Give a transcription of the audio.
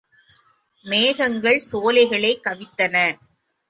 மேகங்கள் சோலைகளைக் கவித்தன.